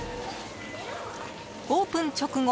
オープン直後